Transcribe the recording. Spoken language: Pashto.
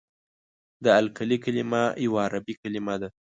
د القلي کلمه یوه عربي کلمه ده.